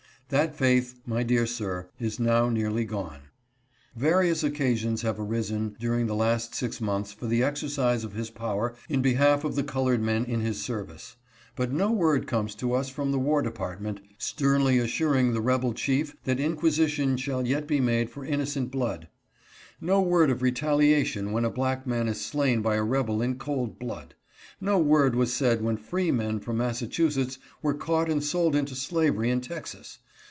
That faith, my dear sir, is now nearly gone. Various 420 COLORED SOLDIERS SOLD INTO SLAVERY. occasions have arisen during the last six months for the exercise of his power in behalf of the colored men in his service. But no word comes to us from the war department, sternly assuring the rebel chief that inquisition shall yet be made for innocent blood. No word of retaliation when a black man is slain by a rebel in cold blood. No word was said when free men from Massachusetts were caught and sold into slavery in Texas.